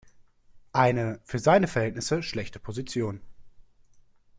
Eine, für seine Verhältnisse, schlechte Position.